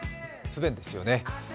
不便ですよね。